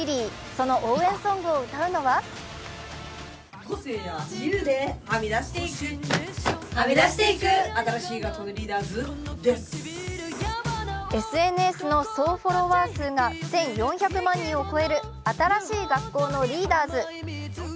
その応援ソングを歌うのはＳＮＳの総フォロワー数が１４００万人を超える新しい学校のリーダーズ。